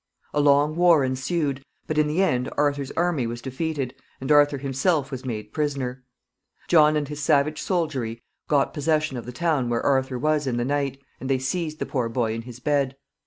A long war ensued, but in the end Arthur's army was defeated, and Arthur himself was made prisoner. John and his savage soldiery got possession of the town where Arthur was in the night, and they seized the poor boy in his bed.